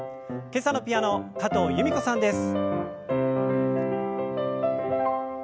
今朝のピアノ加藤由美子さんです。